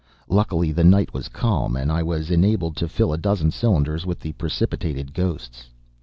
Luckily the night was calm, and I was enabled to fill a dozen cylinders with the precipitated ghosts.